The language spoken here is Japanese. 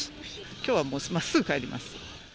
きょうはもうまっすぐ帰ります。